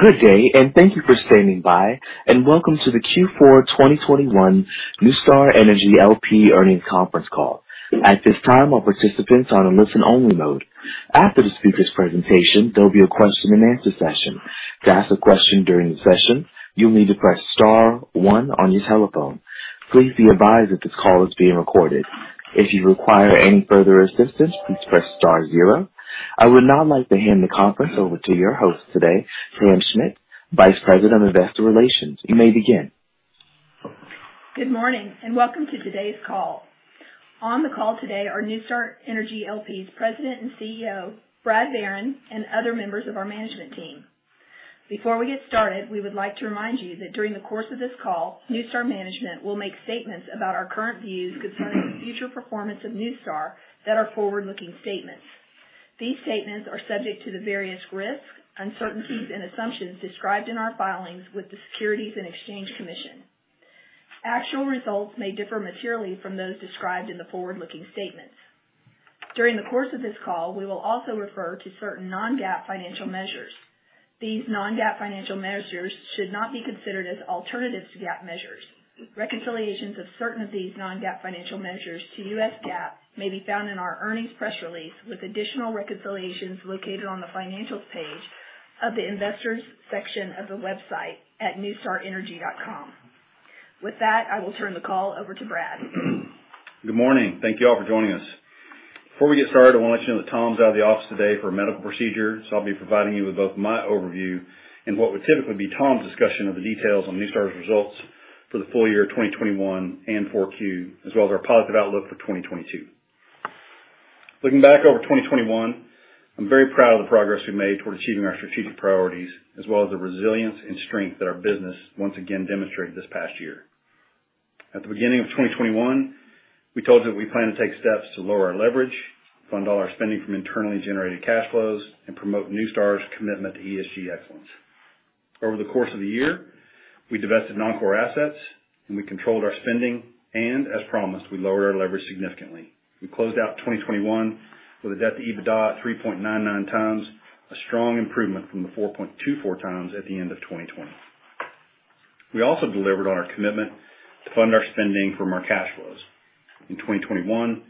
Good day, and thank you for standing by, and welcome to the Q4 2021 NuStar Energy L.P. Earnings Conference Call. At this time, all participants are on a listen only mode. After the speaker's presentation, there'll be a question and answer session. To ask a question during the session, you'll need to press star one on your telephone. Please be advised that this call is being recorded. If you require any further assistance, please press star zero. I would now like to hand the conference over to your host today, Pam Schmidt, Vice President of Investor Relations. You may begin. Go od morning and welcome to today's call. On the call today are NuStar Energy L.P.'s President and CEO, Brad Barron, and other members of our management team. Before we get started, we would like to remind you that during the course of this call, NuStar management will make statements about our current views concerning the future performance of NuStar that are forward-looking statements. These statements are subject to the various risks, uncertainties and assumptions described in our filings with the Securities and Exchange Commission. Actual results may differ materially from those described in the forward-looking statements. During the course of this call, we will also refer to certain non-GAAP financial measures. These non-GAAP financial measures should not be considered as alternatives to GAAP measures. Reconciliations of certain of these non-GAAP financial measures to US GAAP may be found in our earnings press release with additional reconciliations located on the Financials page of the Investors section of the website at nustarenergy.com. With that, I will turn the call over to Brad. Good morning. Thank you all for joining us. Before we get started, I wanna let you know that Tom's out of the office today for a medical procedure, so I'll be providing you with both my overview and what would typically be Tom's discussion of the details on NuStar's results for the full year of 2021 and Q4, as well as our positive outlook for 2022. Looking back over 2021, I'm very proud of the progress we made toward achieving our strategic priorities, as well as the resilience and strength that our business once again demonstrated this past year. At the beginning of 2021, we told you that we plan to take steps to lower our leverage, fund all our spending from internally generated cash flows, and promote NuStar's commitment to ESG excellence. Over the course of the year, we divested non-core assets and we controlled our spending, and as promised, we lowered our leverage significantly. We closed out 2021 with a debt to EBITDA of 3.99x, a strong improvement from the 4.24x at the end of 2020. We also delivered on our commitment to fund our spending from our cash flows. In 2021,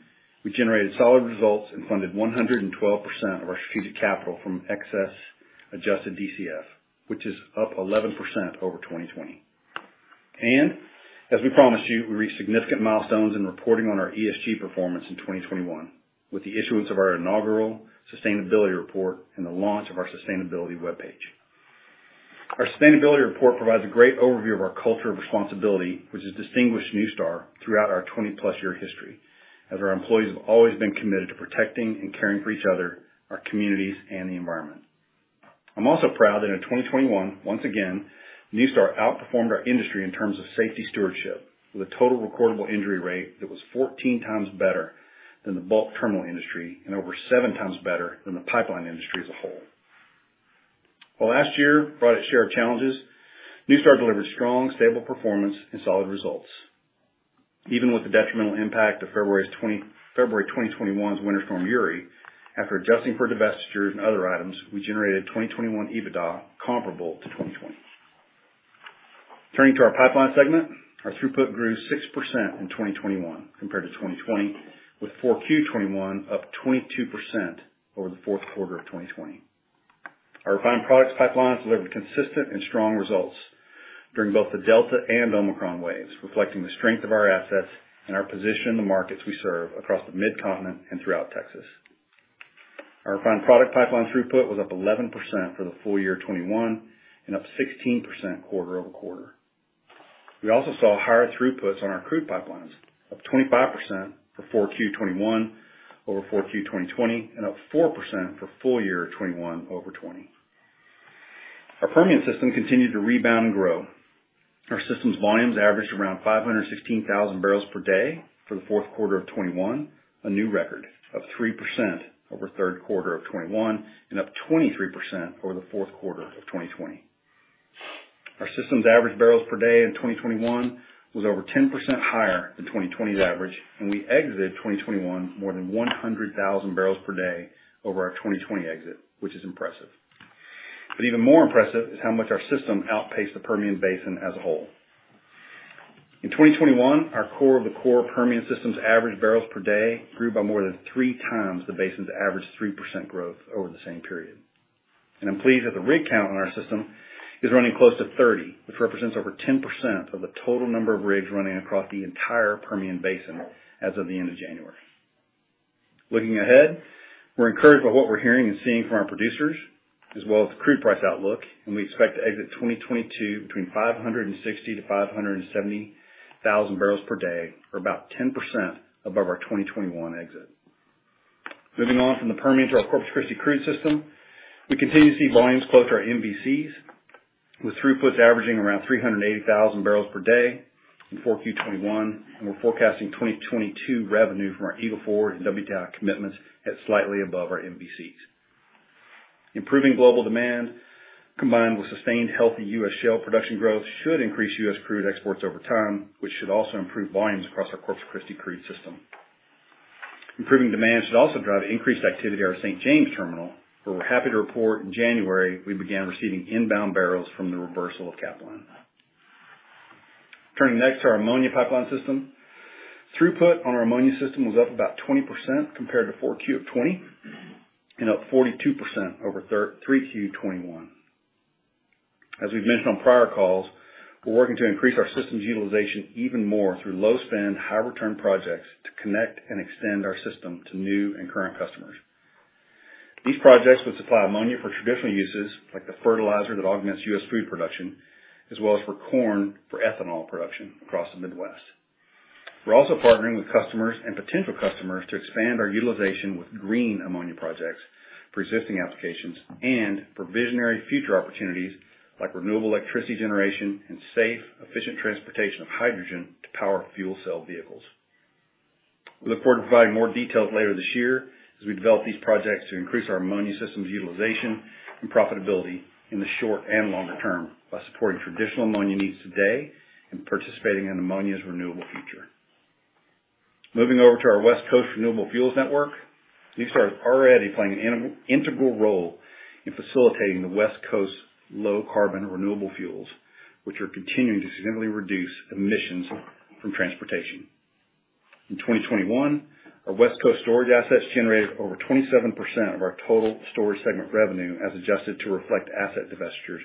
we generated solid results and funded 112% of our strategic capital from excess adjusted DCF, which is up 11% over 2020. As we promised you, we reached significant milestones in reporting on our ESG performance in 2021 with the issuance of our inaugural sustainability report and the launch of our sustainability webpage. Our sustainability report provides a great overview of our culture of responsibility, which has distinguished NuStar throughout our 20+ year history, as our employees have always been committed to protecting and caring for each other, our communities and the environment. I'm also proud that in 2021, once again, NuStar outperformed our industry in terms of safety stewardship with a total recordable injury rate that was 14x better than the bulk terminal industry and over 7x better than the pipeline industry as a whole. While last year brought its share of challenges, NuStar delivered strong, stable performance and solid results. Even with the detrimental impact of February 2021's Winter Storm Uri, after adjusting for divestitures and other items, we generated 2021 EBITDA comparable to 2020. Turning to our pipeline segment, our throughput grew 6% in 2021 compared to 2020 with Q4 2021 up 22% over the Q4 of 2020. Our refined products pipelines delivered consistent and strong results during both the Delta and Omicron waves, reflecting the strength of our assets and our position in the markets we serve across the Midcontinent and throughout Texas. Our refined product pipeline throughput was up 11% for the full year 2021 and up 16% quarter-over-quarter. We also saw higher throughputs on our crude pipelines, up 25% for Q4 2021 over Q4 2020, and up 4% for full year 2021 over 2020. Our Permian system continued to rebound and grow. Our system's volumes averaged around 516,000 barrels per day for the Q4 of 2021, a new record, up 3% over Q3 of 2021 and up 23% over the Q4 of 2020. Our system's average barrels per day in 2021 was over 10% higher than 2020's average, and we exited 2021 more than 100,000 barrels per day over our 2020 exit, which is impressive. Even more impressive is how much our system outpaced the Permian Basin as a whole. In 2021, our core of the core Permian system's average barrels per day grew by more than 3x the basin's average 3% growth over the same period. I'm pleased that the rig count on our system is running close to 30, which represents over 10% of the total number of rigs running across the entire Permian Basin as of the end of January. Looking ahead, we're encouraged by what we're hearing and seeing from our producers, as well as the crude price outlook, and we expect to exit 2022 between 560,000 to 570,000 barrels per day or about 10% above our 2021 exit. Moving on from the Permian to our Corpus Christi crude system. We continue to see volumes close to our MVCs with throughputs averaging around 380,000 barrels per day in Q4 2021, and we're forecasting 2022 revenue from our Eagle Ford and WT commitments at slightly above our MVCs. Improving global demand, combined with sustained healthy US shale production growth, should increase US crude exports over time, which should also improve volumes across our Corpus Christi crude system. Improving demand should also drive increased activity at our St. James terminal, where we're happy to report in January we began receiving inbound barrels from the reversal of Capline. Turning next to our ammonia pipeline system. Throughput on our ammonia system was up about 20% compared to Q4 2020, and up 42% over Q3 2021. As we've mentioned on prior calls, we're working to increase our systems utilization even more through low spend, high return projects to connect and extend our system to new and current customers. These projects would supply ammonia for traditional uses like the fertilizer that augments US food production, as well as for corn for ethanol production across the Midwest. We're also partnering with customers and potential customers to expand our utilization with green ammonia projects for existing applications and for visionary future opportunities like renewable electricity generation and safe, efficient transportation of hydrogen to power fuel cell vehicles. We look forward to providing more details later this year as we develop these projects to increase our ammonia systems utilization and profitability in the short and longer term by supporting traditional ammonia needs today and participating in ammonia's renewable future. Moving over to our West Coast renewable fuels network. These are already playing an integral role in facilitating the West Coast low carbon renewable fuels, which are continuing to significantly reduce emissions from transportation. In 2021, our West Coast storage assets generated over 27% of our total storage segment revenue, as adjusted to reflect asset divestitures,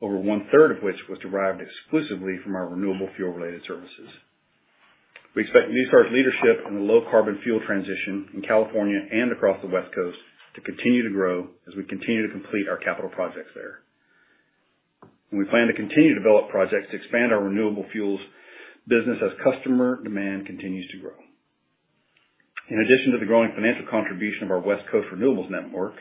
over 1/3 of which was derived exclusively from our renewable fuel-related services. We expect NuStar's leadership on the low carbon fuel transition in California and across the West Coast to continue to grow as we continue to complete our capital projects there. We plan to continue to develop projects to expand our renewable fuels business as customer demand continues to grow. In addition to the growing financial contribution of our West Coast renewables network,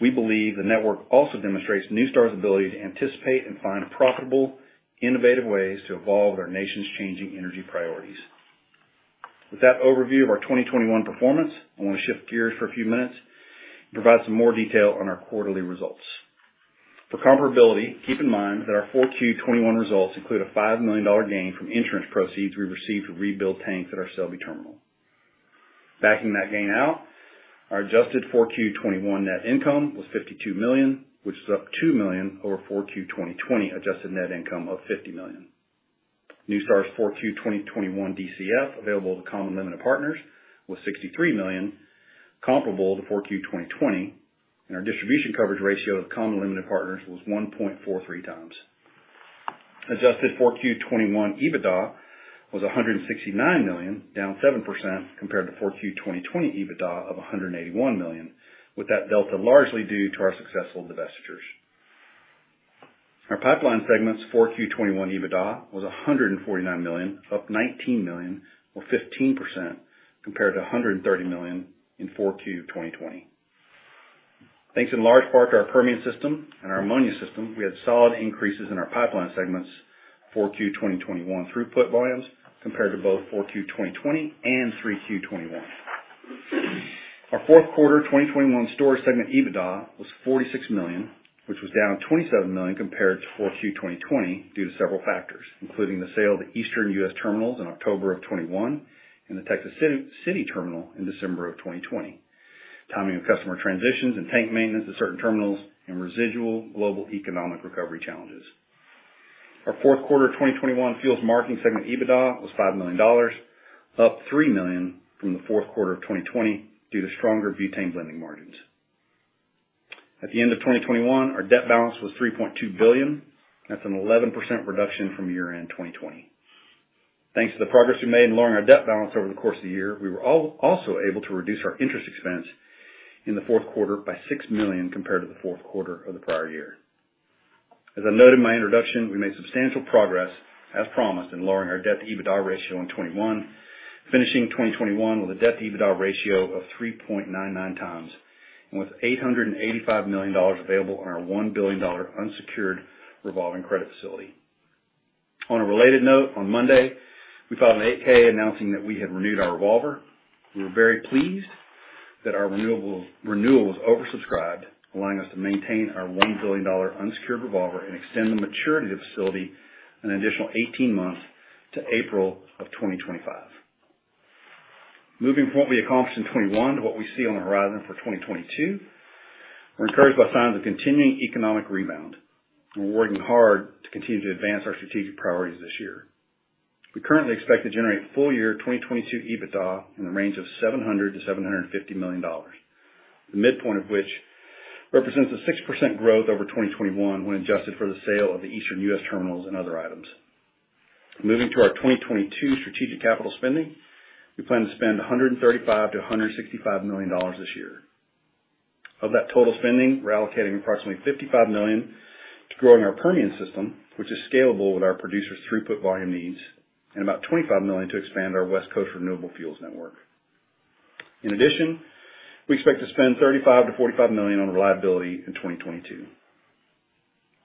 we believe the network also demonstrates NuStar's ability to anticipate and find profitable, innovative ways to evolve our nation's changing energy priorities. With that overview of our 2021 performance, I wanna shift gears for a few minutes and provide some more detail on our quarterly results. For comparability, keep in mind that our Q4 2021 results include a $5 million gain from insurance proceeds we received to rebuild tanks at our Selby terminal. Backing that gain out, our adjusted Q4 2021 net income was $52 million, which is up $2 million over Q4 2020 adjusted net income of $50 million. NuStar's Q4 2021 DCF available to common limited partners was $63 million, comparable to Q4 2020, and our distribution coverage ratio of common limited partners was 1.43x. Adjusted Q4 2021 EBITDA was $169 million, down 7% compared to Q4 2020 EBITDA of $181 million, with that delta largely due to our successful divestitures. Our Pipeline segment's Q4 2021 EBITDA was $149 million, up $19 million or 15% compared to $130 million in Q4 2020. Thanks in large part to our Permian system and our ammonia system, we had solid increases in our Pipeline segment's Q4 2021 throughput volumes compared to both Q4 2020 and Q3 2021. Our Q4 2021 Storage segment EBITDA was $46 million, which was down $27 million compared to Q4 2020 due to several factors, including the sale of the eastern US terminals in October 2021 and the Texas City Terminal in December 2020, timing of customer transitions and tank maintenance at certain terminals and residual global economic recovery challenges. Our Q4 of 2021 fuels marketing segment EBITDA was $5 million, up $3 million from the Q4 of 2020 due to stronger butane blending margins. At the end of 2021, our debt balance was $3.2 billion. That's an 11% reduction from year-end 2020. Thanks to the progress we made in lowering our debt balance over the course of the year, we were also able to reduce our interest expense in the Q4 by $6 million compared to the Q4 of the prior year. As I noted in my introduction, we made substantial progress, as promised, in lowering our debt to EBITDA ratio in 2021, finishing 2021 with a debt to EBITDA ratio of 3.99x, and with $885 million available on our $1 billion unsecured revolving credit facility. On a related note, on Monday, we filed an 8-K announcing that we had renewed our revolver. We were very pleased that our renewal was oversubscribed, allowing us to maintain our $1 billion unsecured revolver and extend the maturity of the facility an additional 18 months to April of 2025. Moving from what we accomplished in 2021 to what we see on the horizon for 2022, we're encouraged by signs of continuing economic rebound. We're working hard to continue to advance our strategic priorities this year. We currently expect to generate full year 2022 EBITDA in the range of $700 million to $750 million. The midpoint of which represents a 6% growth over 2021 when adjusted for the sale of the eastern US terminals and other items. Moving to our 2022 strategic capital spending, we plan to spend $135 million to $165 million this year. Of that total spending, we're allocating approximately $55 million to growing our Permian system, which is scalable with our producers' throughput volume needs, and about $25 million to expand our West Coast renewable fuels network. In addition, we expect to spend $35 million to $45 million on reliability in 2022.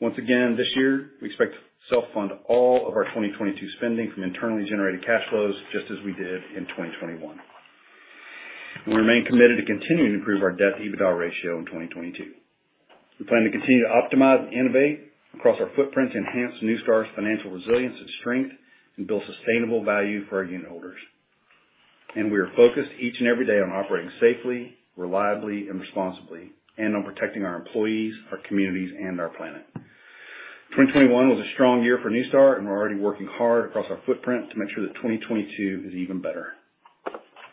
Once again, this year, we expect to self-fund all of our 2022 spending from internally generated cash flows, just as we did in 2021. We remain committed to continuing to improve our debt to EBITDA ratio in 2022. We plan to continue to optimize and innovate across our footprint to enhance NuStar's financial resilience and strength and build sustainable value for our unitholders. We are focused each and every day on operating safely, reliably, and responsibly, and on protecting our employees, our communities, and our planet. 2021 was a strong year for NuStar, and we're already working hard across our footprint to make sure that 2022 is even better.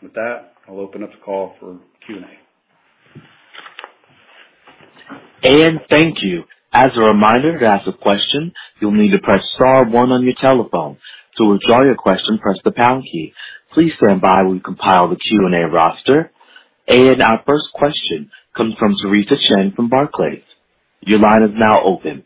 With that, I'll open up the call for Q&A. Thank you. As a reminder, to ask a question, you'll need to press star one on your telephone. To withdraw your question, press the pound key. Please stand by when we compile the Q&A roster. Our first question comes from Theresa Chen from Barclays. Your line is now open.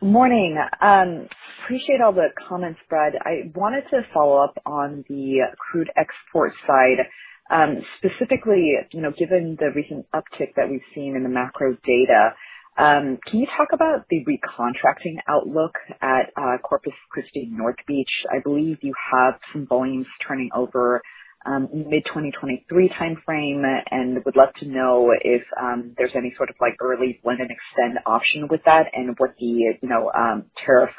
Morning. Appreciate all the comments, Brad. I wanted to follow up on the crude export side, specifically, you know, given the recent uptick that we've seen in the macro data, can you talk about the recontracting outlook at Corpus Christi North Beach? I believe you have some volumes turning over, mid-2023 timeframe, and would love to know if there's any sort of, like, early blend-and-extend option with that and what the, you know, tariff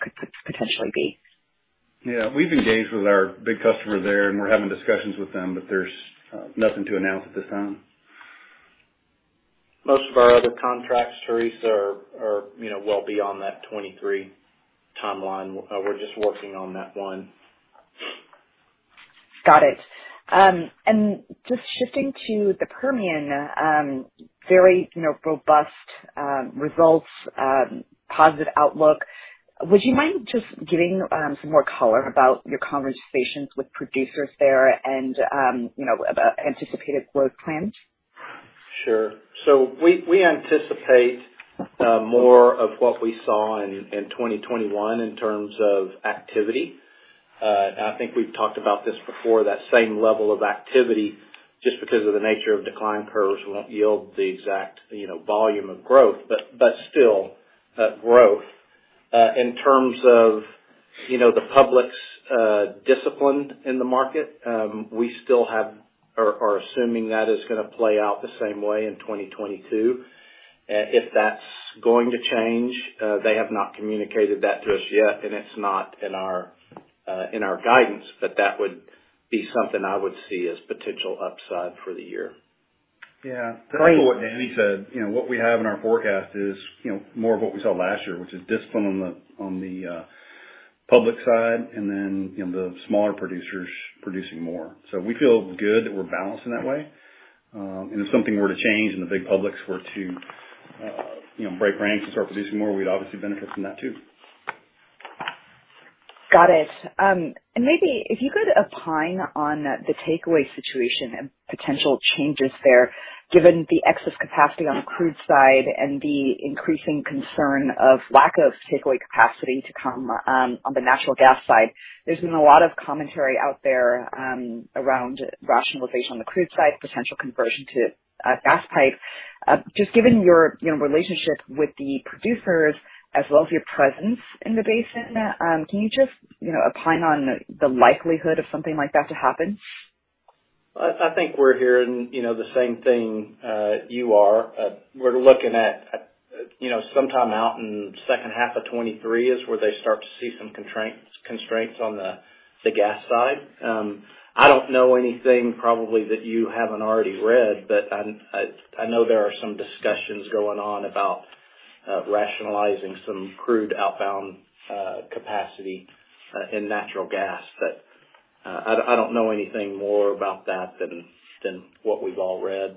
could potentially be. Yeah. We've engaged with our big customer there, and we're having discussions with them, but there's nothing to announce at this time. Most of our other contracts, Theresa, are, you know, well beyond that 23 timeline. We're just working on that one. Got it. Just shifting to the Permian, very, you know, robust, results, positive outlook. Would you mind just giving some more color about your conversations with producers there and you know, about anticipated growth plans? Sure. We anticipate more of what we saw in 2021 in terms of activity. I think we've talked about this before, that same level of activity, just because of the nature of decline curves, won't yield the exact, you know, volume of growth, but still growth. In terms of, you know, the producers' discipline in the market, we are assuming that is gonna play out the same way in 2022. If that's going to change, they have not communicated that to us yet, and it's not in our guidance, but that would be something I would see as potential upside for the year. Yeah. To echo what Danny said, you know, what we have in our forecast is, you know, more of what we saw last year, which is discipline on the public side, and then, you know, the smaller producers producing more. We feel good that we're balanced in that way. If something were to change, and the big publics were to, you know, break ranks and start producing more, we'd obviously benefit from that too. Got it. Maybe if you could opine on the takeaway situation and potential changes there, given the excess capacity on the crude side and the increasing concern of lack of takeaway capacity to come, on the natural gas side. There's been a lot of commentary out there, around rationalization on the crude side, potential conversion to gas pipes. Just given your, you know, relationship with the producers as well as your presence in the basin, can you just, you know, opine on the likelihood of something like that to happen? I think we're hearing, you know, the same thing you are. We're looking at, you know, sometime out in second half of 2023 is where they start to see some constraints on the gas side. I don't know anything probably that you haven't already read, but I know there are some discussions going on about rationalizing some crude outbound capacity in natural gas, but I don't know anything more about that than what we've all read.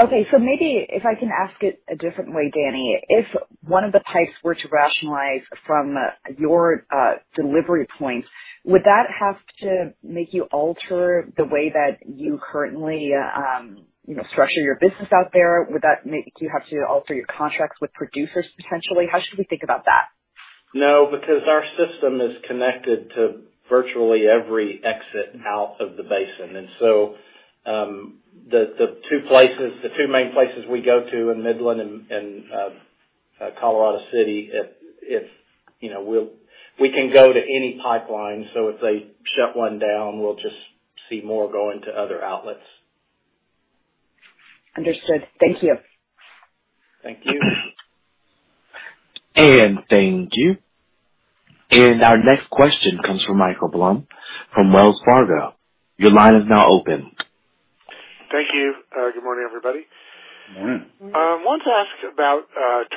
Okay. Maybe if I can ask it a different way, Danny. If one of the pipes were to rationalize from your delivery point, would that have to make you alter the way that you currently you know structure your business out there? Would that make you have to alter your contracts with producers potentially? How should we think about that? No, because our system is connected to virtually every exit out of the basin. The two main places we go to in Midland and Colorado City, you know, we can go to any pipeline. If they shut one down, we'll just see more going to other outlets. Understood. Thank you. Thank you. Thank you. Our next question comes from Michael Blum from Wells Fargo. Your line is now open. Thank you. Good morning, everybody. Good morning. I wanted to ask about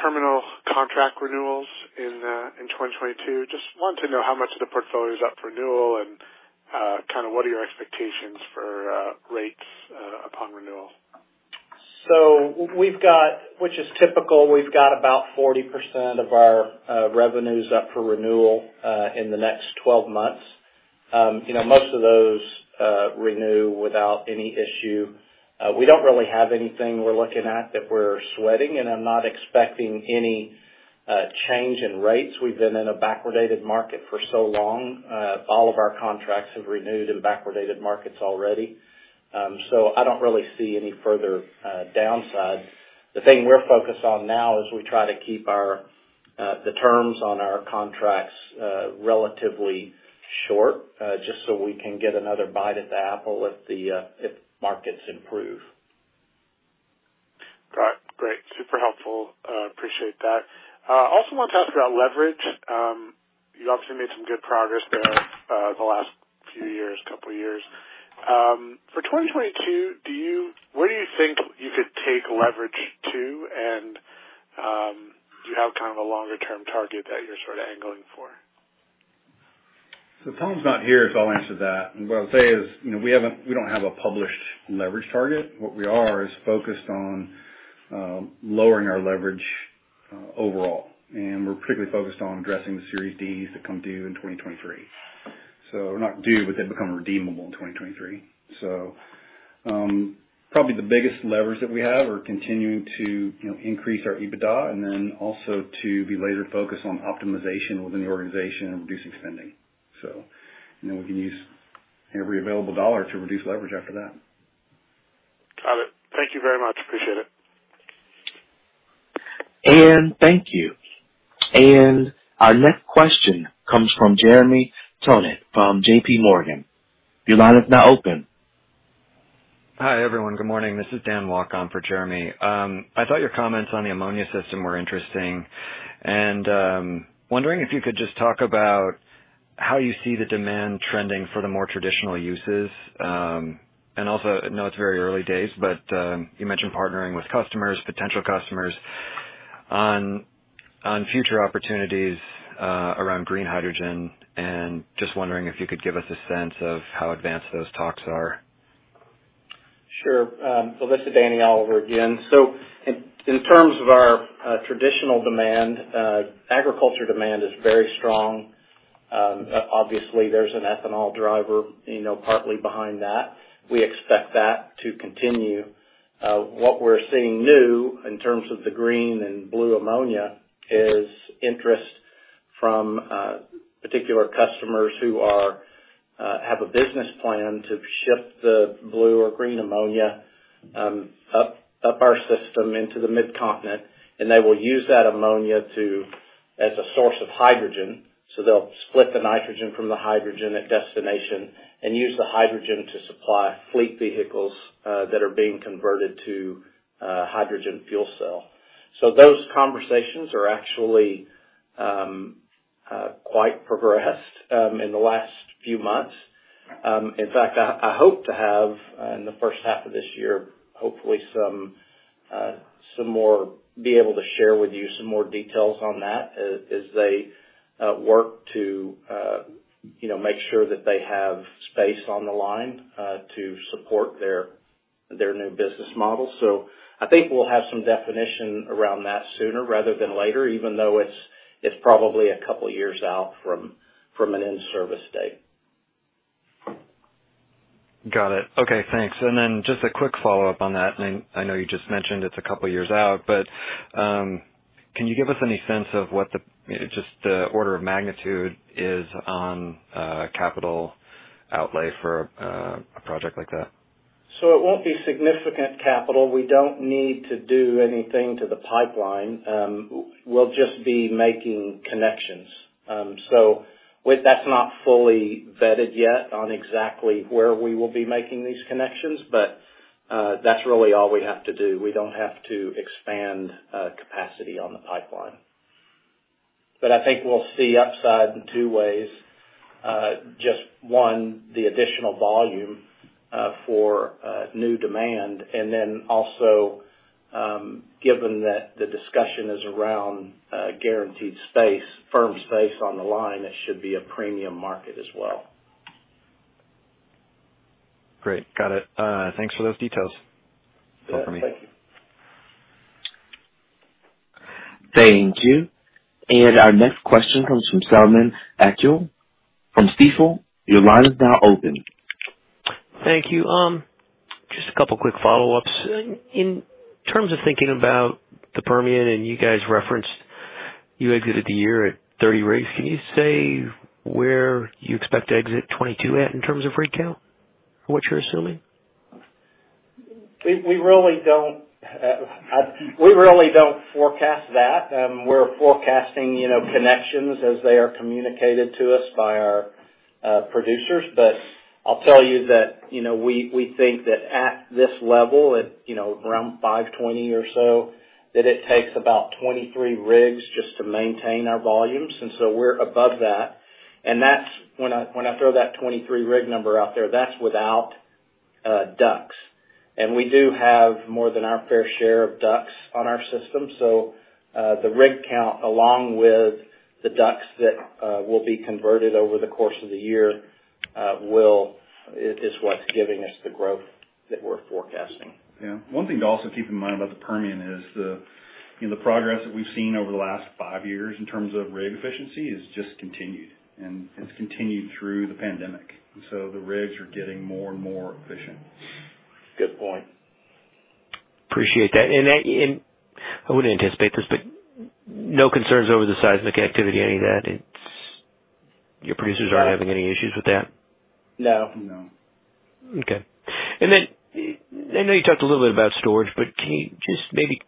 terminal contract renewals in 2022. I just want to know how much of the portfolio is up for renewal and kind of what are your expectations for rates upon renewal? We've got, which is typical, about 40% of our revenues up for renewal in the next 12 months. You know, most of those renew without any issue. We don't really have anything we're looking at that we're sweating, and I'm not expecting any change in rates. We've been in a backwardated market for so long, all of our contracts have renewed in backwardated markets already. I don't really see any further downside. The thing we're focused on now is we try to keep the terms on our contracts relatively short, just so we can get another bite at the apple if markets improve. Got it. Great. Super helpful. Appreciate that. I also want to ask about leverage. You obviously made some good progress there, the last few years, couple of years. For 2022, do you think you could take leverage to and, do you have kind of a longer-term target that you're sort of angling for? Tom's not here, so I'll answer that. What I'll say is, you know, we don't have a published leverage target. What we are is focused on lowering our leverage overall, and we're particularly focused on addressing the Series D that come due in 2023. They're not due, but they become redeemable in 2023. Probably the biggest levers that we have are continuing to, you know, increase our EBITDA and then also to be laser focused on optimization within the organization and reducing spending. You know, we can use every available dollar to reduce leverage after that. Got it. Thank you very much. Appreciate it. Thank you. Our next question comes from Jeremy Tonet from JPMorgan. Your line is now open. Hi, everyone. Good morning. This is Dan Walkar for Jeremy. I thought your comments on the ammonia system were interesting and wondering if you could just talk about how you see the demand trending for the more traditional uses. Also I know it's very early days, but you mentioned partnering with customers, potential customers on future opportunities around green hydrogen. Just wondering if you could give us a sense of how advanced those talks are. Sure. This is Danny Oliver again. In terms of our traditional demand, agriculture demand is very strong. Obviously there's an ethanol driver, you know, partly behind that. We expect that to continue. What we're seeing new in terms of the green and blue ammonia is interest from particular customers who have a business plan to ship the blue or green ammonia up our system into the mid-continent. They will use that ammonia to as a source of hydrogen. They'll split the nitrogen from the hydrogen at destination and use the hydrogen to supply fleet vehicles that are being converted to hydrogen fuel cell. Those conversations are actually quite progressed in the last few months. In fact, I hope to have in the first half of this year, hopefully be able to share with you some more details on that as they work to you know, make sure that they have space on the line to support their new business model. I think we'll have some definition around that sooner rather than later, even though it's probably a couple of years out from an in-service date. Got it. Okay, thanks. Just a quick follow-up on that. I know you just mentioned it's a couple of years out, but can you give us any sense of what just the order of magnitude is on capital outlay for a project like that? It won't be significant capital. We don't need to do anything to the pipeline. We'll just be making connections. That's not fully vetted yet on exactly where we will be making these connections, but that's really all we have to do. We don't have to expand capacity on the pipeline. I think we'll see upside in two ways. Just one, the additional volume for new demand. And then also, given that the discussion is around guaranteed space, firm space on the line, it should be a premium market as well. Great. Got it. Thanks for those details. That's all for me. Thank you. Thank you. Our next question comes from Selman Akyol from Stifel. Your line is now open. Thank you. Just a couple quick follow-ups. In terms of thinking about the Permian, and you guys referenced you exited the year at 30 rigs, can you say where you expect to exit 2022 at in terms of rig count from what you're assuming? We really don't forecast that. We're forecasting, you know, connections as they are communicated to us by our producers. I'll tell you that, you know, we think that at this level, you know, around 520 or so, that it takes about 23 rigs just to maintain our volumes. We're above that. That's when I throw that 23 rig number out there, that's without DUCs. We do have more than our fair share of DUCs on our system. The rig count, along with the DUCs that will be converted over the course of the year, is what's giving us the growth that we're forecasting. Yeah. One thing to also keep in mind about the Permian is the, you know, the progress that we've seen over the last five years in terms of rig efficiency has just continued, and it's continued through the pandemic. The rigs are getting more and more efficient. Good point. Appreciate that. I wouldn't anticipate this, but no concerns over the seismic activity, any of that. It's your producers aren't having any issues with that? No. No. Okay. Then I know you talked a little bit about storage, but can you just maybe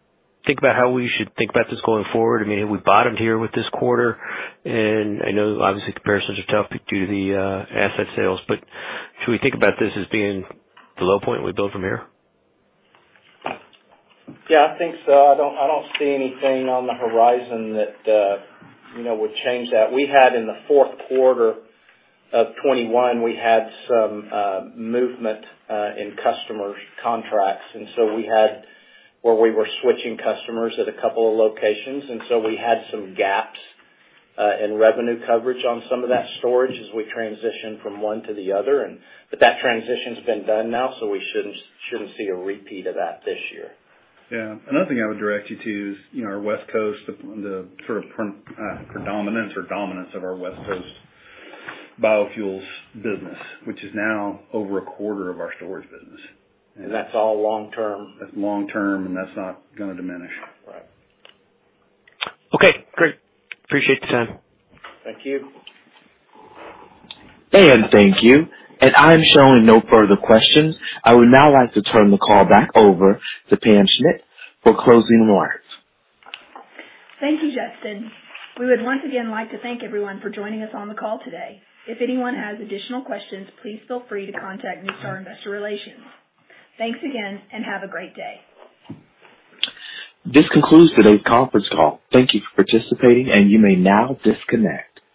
think about how we should think about this going forward? I mean, have we bottomed here with this quarter? I know obviously comparisons are tough due to the asset sales, but should we think about this as being the low point and we build from here? Yeah, I think so. I don't see anything on the horizon that, you know, would change that. We had in the Q4 of 2021 some movement in customer contracts. We were switching customers at a couple of locations, so we had some gaps in revenue coverage on some of that storage as we transitioned from one to the other. But that transition's been done now, so we shouldn't see a repeat of that this year. Yeah. Another thing I would direct you to is, you know, our West Coast, the sort of predominance or dominance of our West Coast biofuels business, which is now over a quarter of our storage business. That's all long term. That's long term, and that's not gonna diminish. Right. Okay, great. Appreciate the time. Thank you. Thank you. I'm showing no further questions. I would now like to turn the call back over to Pam Schmidt for closing remarks. Thank you, Justin. We would once again like to thank everyone for joining us on the call today. If anyone has additional questions, please feel free to contact NuStar Investor Relations. Thanks again and have a great day. This concludes today's conference call. Thank you for participating, and you may now disconnect.